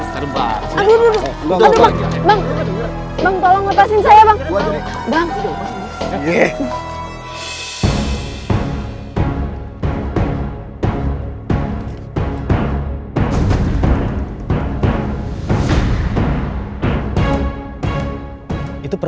kalian nggak usah dicampur